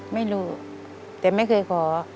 ไม่รู้แต่ไม่เคยขอ